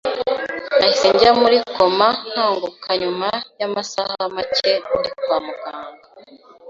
nahise njya muri koma nkanguka nyuma y’amasaha make ndi kwa muganga